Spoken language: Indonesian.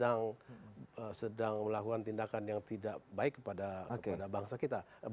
karena kita sedang melakukan tindakan yang tidak baik kepada bangsa kita